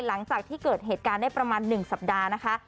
หลังจากที่เกิดเหตุการณ์ได้ประมาณ๑สัปดาห์นะคะ